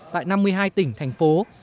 tại năm mươi hai tỉnh thành phố